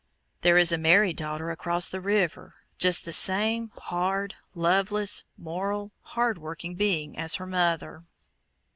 There is a married daughter across the river, just the same hard, loveless, moral, hard working being as her mother.